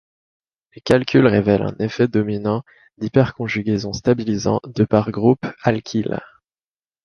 Les calculs révèlent un effet dominant d'hyperconjugaison stabilisant de par groupe alkyle.